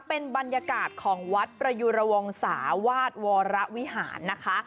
เป็นบรรยากาศของวัดประยุรวงศาวาสวรวิหารนะคะ